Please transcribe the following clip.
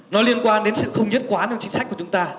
nó liên quan đến sự không nhất quán trong chính sách của chúng ta